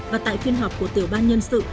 và tại phiên họp của tiểu ban nhân sự